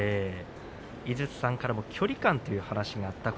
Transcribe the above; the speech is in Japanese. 井筒さんからも距離感という話がありました。